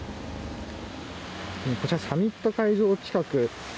こちらサミット会場近く。